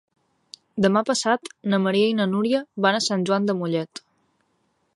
Demà passat na Maria i na Núria van a Sant Joan de Mollet.